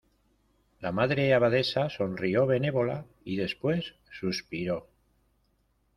la Madre Abadesa sonrió benévola, y después suspiró: